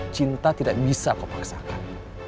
cinta tidak bisa kau paksakan